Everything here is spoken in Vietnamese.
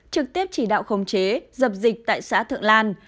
trực tiếp chỉ đạo khống chế dập dịch tại xã thượng lan